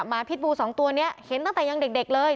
หมาพิษบูนสองตัวเนี้ยเห็นตั้งแต่ยังเด็กเลย